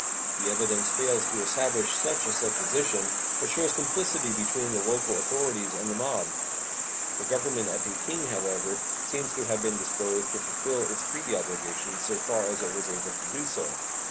The evidence fails to establish such a supposition, but shows a complicity between the local authorities and the mob. The Government at Peking, however, seems to have been disposed to fulfill its treaty obligations so far as it was able to do so.